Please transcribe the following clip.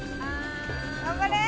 頑張れ！